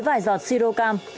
vài giọt si rô cam